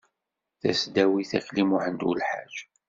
tasdawit akli muḥend ulḥaǧ